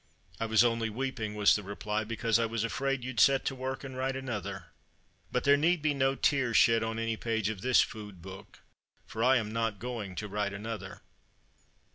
"I was only weeping," was the reply, "because I was afraid you'd set to work, and write another." But there need be no tears shed on any page of this food book. For I am not going to "write another."